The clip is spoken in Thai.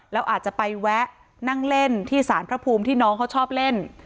แล้วอาจจะไปแวะนั่งเล่นที่สารพระภูมิที่น้องเขาชอบเล่น